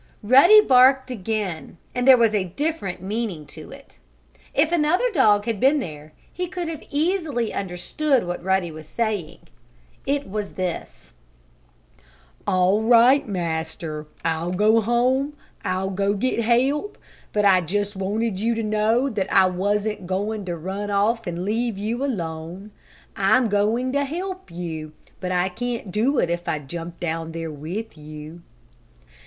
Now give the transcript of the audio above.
Ruddy barked again, and there was a different meaning to it. If another dog had been there he could have very easily have understood what Ruddy was saying. It was this: "All right, Master! I'll go home! I'll go get help! But I just wanted you to know that I wasn't going to run off and leave you all alone. I'm going to help you, but I can't do it if I jump down there with you."